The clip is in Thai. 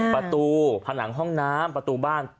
ประตูผนังห้องน้ำประตูบ้าน